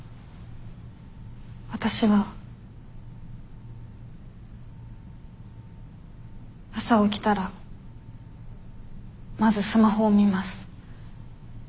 わたしは朝起きたらまずスマホを見ます。